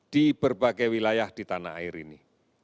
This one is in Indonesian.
di berbagai wilayah di tanah air ini